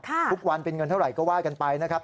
ทุกวันเป็นเงินเท่าไหร่ก็ว่ากันไปนะครับ